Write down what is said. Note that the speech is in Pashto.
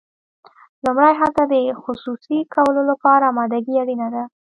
لومړی هلته د خصوصي کولو لپاره امادګي اړینه ده.